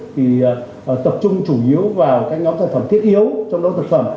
thì tập trung chủ yếu vào các nhóm sản phẩm thiết yếu trong đó thực phẩm